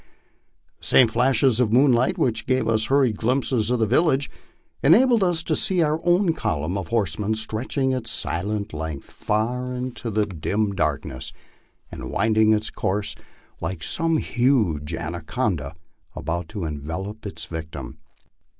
The same flashes of moonlight which gave us hurried glimpses of the village enabled us to see our own column of horsemen stretching its silent length far into the dim MY LIFE ON THE PLAINS. 29 darkness, and winding its course, like some huge anaconda about to envelop its victim.